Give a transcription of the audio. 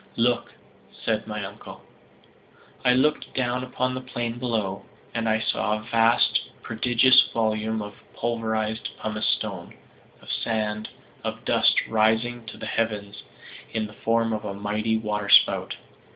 "Look," said my uncle. I looked down upon the plain below, and I saw a vast, a prodigious volume of pulverized pumice stone, of sand, of dust, rising to the heavens in the form of a mighty waterspout.